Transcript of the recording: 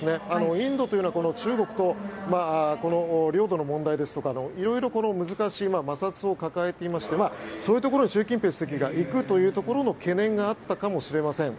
インドというのは中国と領土の問題ですとか色々難しい摩擦を抱えていましてそういうところに習近平国家主席が行くというところの懸念があったかもしれません。